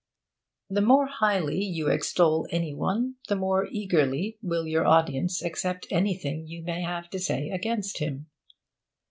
The more highly you extol any one, the more eagerly will your audience accept anything you may have to say against him.